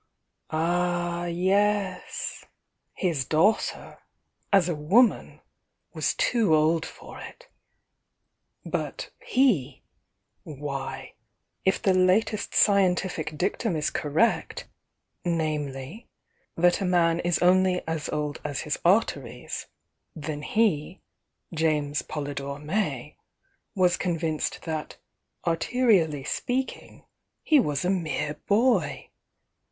Ah, yes — his daughter, as a woman, was too old for it! ... but he, — why, if the latest scientific dictum is correct, namely, that a man is only as old as his arteries, then he, James Polydore May, was convinced that arterially speaking, he was a mere boy!